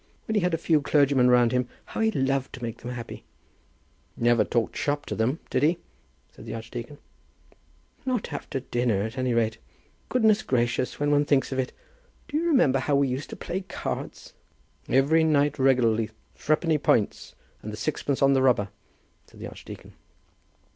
When he had a few clergymen round him, how he loved to make them happy!" "Never talked shop to them, did he?" said the archdeacon. "Not after dinner, at any rate. Goodness gracious, when one thinks of it! Do you remember how we used to play cards?" "Every night regularly; threepenny points, and sixpence on the rubber," said the archdeacon.